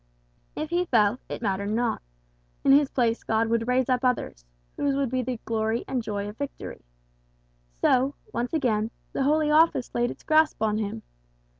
If he fell, it mattered not; in his place God would raise up others, whose would be the glory and the joy of victory. So, once again, the Holy Office laid its grasp upon him.